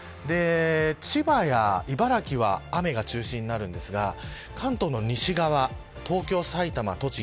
千葉や茨城は雨が中心になるんですが関東の西側、東京、埼玉、栃木